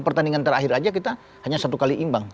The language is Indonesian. pertandingan terakhir aja kita hanya satu kali imbang